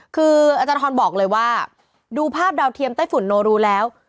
คืออาจารย์ทรบอกเลยว่าดูภาพดาวเทียมไต้ฝุ่นโนรูแล้ว